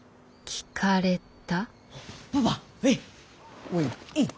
聞かれた。